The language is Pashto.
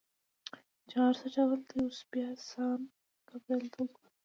چې غر څه ډول دی، اوس بیا سان ګبرېل ته وګوره.